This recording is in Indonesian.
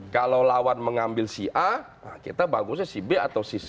kalau lawan mengambil si a kita bagusnya si b atau si c